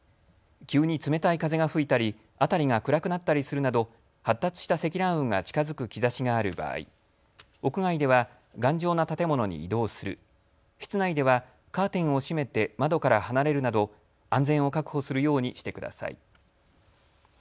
急に冷たい風が吹いたり辺りが暗くなったりするなど発達した積乱雲が近づく兆しがある場合、屋外では頑丈な建物に移動する、室内ではカーテンを閉めて窓から離れるなど安全を確保するようにしてください。